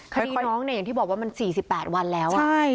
คดีน้องเนี่ยอย่างที่บอกว่ามัน๔๘วันแล้ว